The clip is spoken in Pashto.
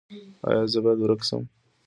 ایا زه باید ورک شم؟